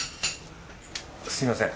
すみません。